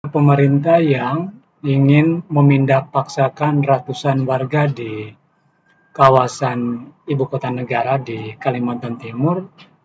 pemerintah yang ingin memindah paksakan ratusan warga di kawasan ibu kota negara di kalimantan timur